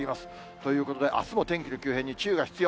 ということで、あすも天気の急変に注意が必要。